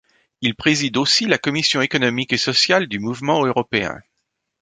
Il préside aussi la commission économique et sociale du Mouvement européen.